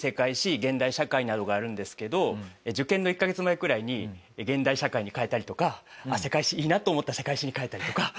現代社会などがあるんですけど受験の１カ月前くらいに現代社会に変えたりとか世界史いいなと思ったら世界史に変えたりとか。